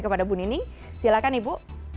kepada bu nining silakan ibu